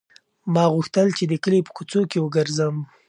ما غوښتل چې د کلي په کوڅو کې وګرځم.